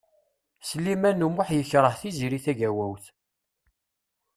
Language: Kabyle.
Sliman U Muḥ yekṛeh Tiziri Tagawawt.